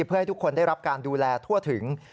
เพื่อให้ทุกคนได้รับการดูแลทั่วถึง